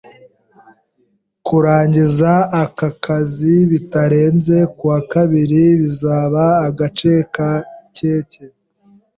Kurangiza aka kazi bitarenze kuwa kabiri bizaba agace ka keke.